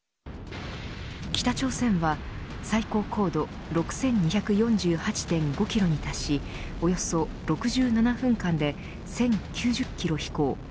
北朝鮮は最高高度６２４８．５キロに達しおよそ６７分間で１０９０キロ飛行。